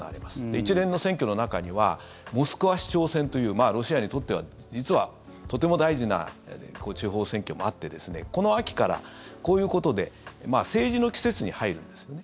一連の選挙の中にはモスクワ市長選というロシアにとっては、実はとても大事な地方選挙もあってこの秋から、こういうことで政治の季節に入るんですよね